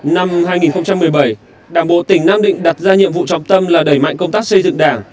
năm hai nghìn một mươi bảy đảng bộ tỉnh nam định đặt ra nhiệm vụ trọng tâm là đẩy mạnh công tác xây dựng đảng